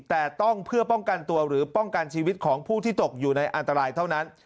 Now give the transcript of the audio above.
แต่ต้องเพื่อป้องกันตัวหรือป้องกันชีวิตของผู้ที่ตกอยู่ในอันตรายเท่านั้น